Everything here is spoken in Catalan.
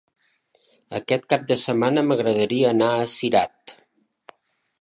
Aquest cap de setmana m'agradaria anar a Cirat.